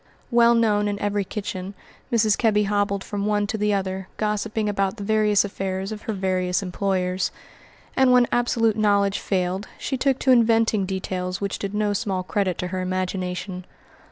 Well known in every kitchen, Mrs. Kebby hobbled from one to the other, gossiping about the various affairs of her various employers; and when absolute knowledge failed she took to inventing details which did no small credit to her imagination.